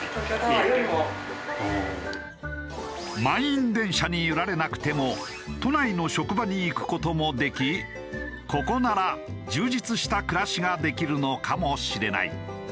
満員電車に揺られなくても都内の職場に行く事もできここなら充実した暮らしができるのかもしれない。